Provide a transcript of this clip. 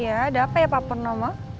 apa apa ya pak purnomo